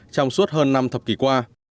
trong suốt hơn năm thập kỷ qua